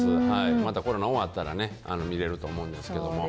またコロナ終わったらね、見れると思うんですけども。